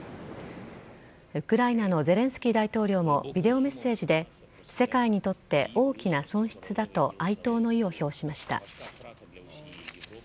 ウクライナのゼレンスキー大統領もビデオメッセージで世界にとって大きな損失だと哀悼の意を表しました。